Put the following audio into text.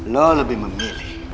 lo lebih memilih